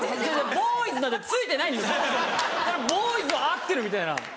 「ボーイズ」は合ってるみたいな。